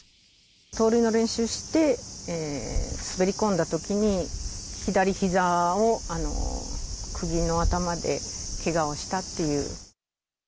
盗塁の練習して、滑り込んだときに、左ひざをくぎの頭でけがをしたっていう。